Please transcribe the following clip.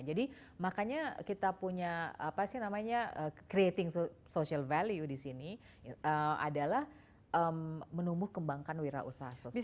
jadi makanya kita punya apa sih namanya creating social value di sini adalah menumbuh kembangkan wira usaha sosial